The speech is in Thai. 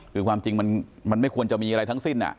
คือความจริงมันไม่ควรจะมีอะไรทั้งสิ้น